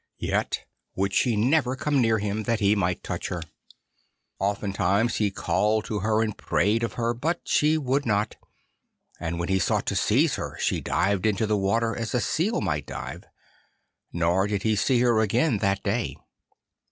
Yet would she never come near him that he might touch her. Oftentimes he called to her and prayed of her, but she would not; and when he sought to seize her she dived into the water as a seal might dive, nor did he see her again that day.